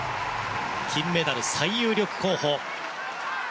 金メダル最有力候補。